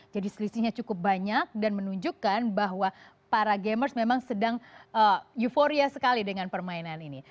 jadi selisihnya cukup banyak dan menunjukkan bahwa para gamers memang sedang euforia sekali dengan permainan ini